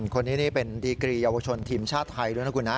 คนนี้นี่เป็นดีกรีเยาวชนทีมชาติไทยด้วยนะคุณนะ